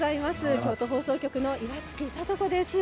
京都放送局の岩槻里子です。